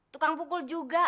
tukang pukul juga